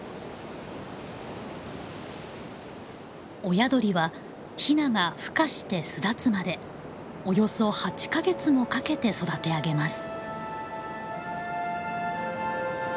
親鳥はヒナがふ化して巣立つまでおよそ８か月もかけて育て上げます。